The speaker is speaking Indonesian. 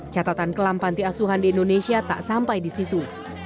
catatan kelam panti asuhan di indonesia tak sampai di situ